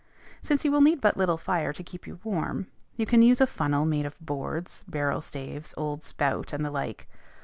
Since you will need but little fire to keep you warm, you can use a funnel made of boards, barrel staves, old spout, and the like.